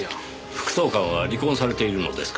副総監は離婚されているのですか？